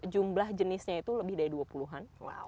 jumlah jenisnya itu lebih dari dua puluh an